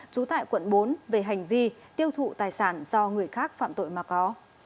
trú tại quận bốn về hành vi tiêu thụ tài sản do người khác phạm tội mà có